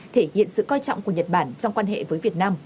thể hiện sự coi trọng của nhật bản trong quan hệ với việt nam